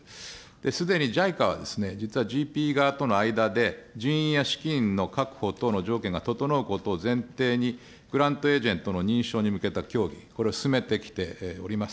すでにＪＩＣＡは実はＧＰＥ側との間で、人員や資金の確保等の条件が整うことを前提に、グラントエージェントとの認証に向けた協議、これを進めてきております。